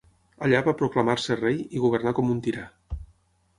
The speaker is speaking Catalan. Allà va proclamar-se rei i governà com un tirà.